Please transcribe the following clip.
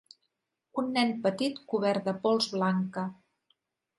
Un nen petit cobert de pols blanca.